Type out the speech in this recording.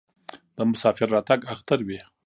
د مسافر راتګ اختر وي.